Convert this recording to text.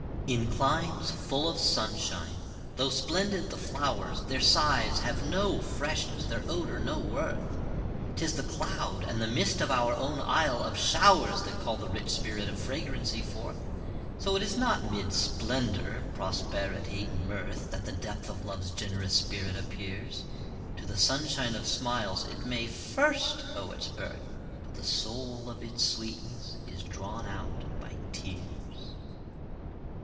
In climes full of sunshine, tho' splendid the flowers, Their sighs have no freshness, their odor no worth; 'Tis the cloud and the mist of our own Isle of showers, That call the rich spirit of fragrancy forth. So it is not mid splendor, prosperity, mirth, That the depth of Love's generous spirit appears; To the sunshine of smiles it may first owe its birth, But the soul of its sweetness is drawn out by tears.